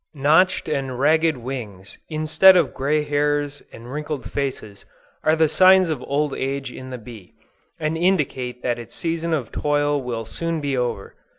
Notched and ragged wings, instead of gray hairs and wrinkled faces, are the signs of old age in the bee, and indicate that its season of toil will soon be over.